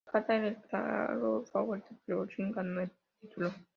Sakata era el claro favorito, pero Rin ganó el título.